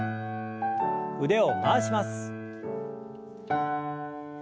腕を回します。